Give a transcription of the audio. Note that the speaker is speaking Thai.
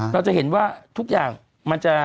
เราจะเห็นว่าทุกอย่างมันจะ